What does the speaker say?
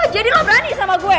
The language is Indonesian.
jadi lo berani sama gue